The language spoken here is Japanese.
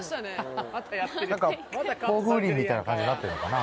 何か防風林みたいな感じになってんのかな